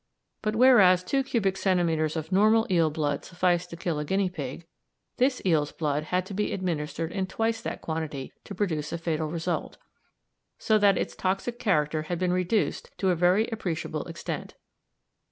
But whereas two cubic centimetres of normal eel blood sufficed to kill a guinea pig, this eel's blood had to be administered in twice that quantity to produce a fatal result, so that its toxic character had been reduced to a very appreciable extent.